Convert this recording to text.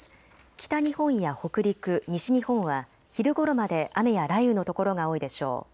北日本や北陸、西日本は昼ごろまで雨や雷雨の所が多いでしょう。